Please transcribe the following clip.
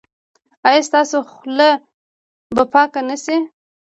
ایا ستاسو خوله به پاکه نه شي؟